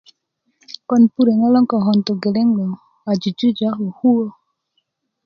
ko 'npure ŋo' logoŋ 'nkokon lo a jujujö ako kuwö